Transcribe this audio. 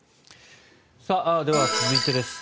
では、続いてです。